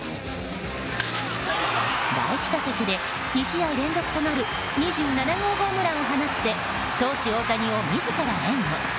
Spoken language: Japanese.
第１打席で２試合連続となる２７号ホームランを放って投手・大谷を自ら援護。